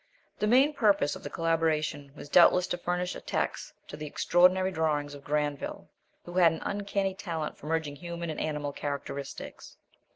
The main purpose of the collaboration was doubtless to furnish a text to the extraordinary drawings of Grandville, who had an uncanny talent for merging human and animal characteristics.